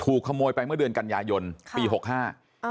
ถูกขโมยไปเมื่อเดือนกัญญายนต์ค่ะปีหกห้าอ้อ